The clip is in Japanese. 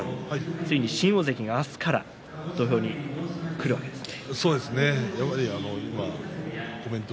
いよいよ新大関が明日から土俵に来るわけですね。